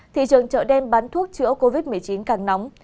thị trường chợ đem bán thuốc chữa covid một mươi chín càng nóng